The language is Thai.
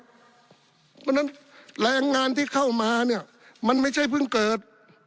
เพราะฉะนั้นแรงงานที่เข้ามาเนี่ยมันไม่ใช่เพิ่งเกิด